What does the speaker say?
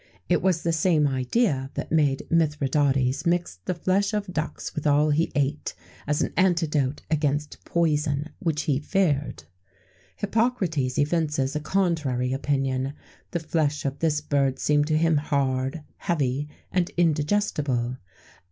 [XVII 41] It was the same idea that made Mithridates mix the flesh of ducks with all he ate, as an antidote against poison, which he feared.[XVII 42] Hippocrates evinces a contrary opinion. The flesh of this bird seemed to him hard, heavy, and indigestible.